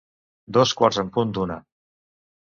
Dos quarts en punt d'una.